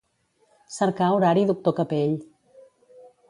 Cercar horari doctor Capell.